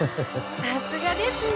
さすがですね。